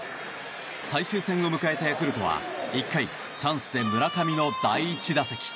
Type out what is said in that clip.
最終戦を迎えたヤクルトは１回、チャンスで村上の第１打席。